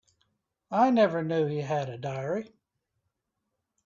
I never knew he had a diary.